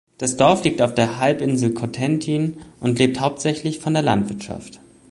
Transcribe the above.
Das Dorf liegt auf der Halbinsel Cotentin und lebt hauptsächlich von der Landwirtschaft.